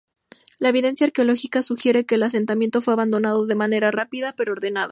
La evidencia arqueológica sugiere que el asentamiento fue abandonado de manera rápida pero ordenada.